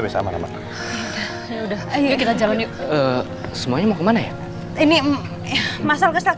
bisa sama sama semuanya mau kemana ya ini masalah kesalahan